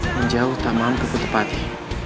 menjauh tak mampu kutepati